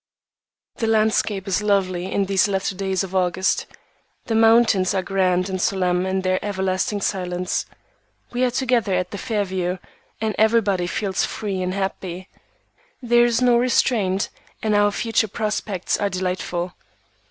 The landscape is lovely in these latter days of August. The mountains are grand and solemn in their everlasting silence. We are together at the Fairview, and everybody feels free and happy. There is no restraint, and our future prospects are delightful.